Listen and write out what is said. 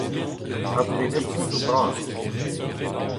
Ar prenestroù zo bras.